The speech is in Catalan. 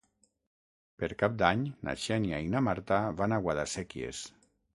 Per Cap d'Any na Xènia i na Marta van a Guadasséquies.